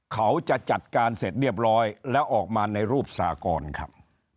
เขาจะจัดการเสร็จเรียบร้อยแล้วออกมาในรูปสากรครับ